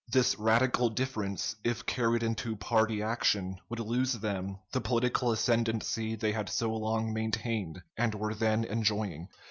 This radical difference, if carried into party action, would lose them the political ascendency they had so long maintained, and were then enjoying.